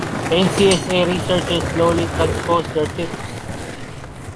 NCSA researchers slowly transpose their tips.